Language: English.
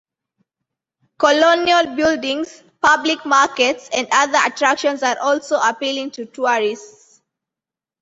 Colonial buildings, public markets and other attractions are also appealing to tourists.